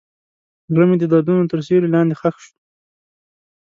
زړه مې د دردونو تر سیوري لاندې ښخ شو.